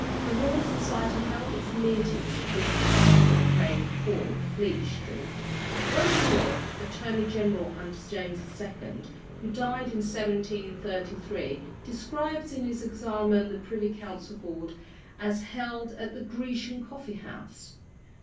(The Royal Society held its meetings at this time in Crane Court, Fleet Street.) Roger North, Attorney General under James II., who died in 1733, describes in his Examen the Privy Council Board, as held at the Grecian coffee house.